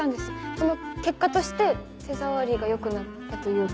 その結果として手触りが良くなったというか。